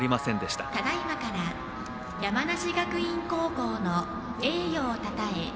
ただいまから山梨学院高校の栄誉をたたえ